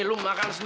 kau mau ngapain